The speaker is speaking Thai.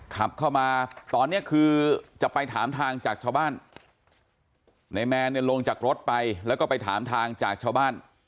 ขับเข้ามาตอนนี้คือจะไปถามทางจากชาวบ้านในแมนเนี่ยลงจากรถไปแล้วก็ไปถามทางจากชาวบ้าน